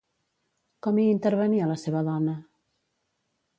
Com hi intervenia la seva dona?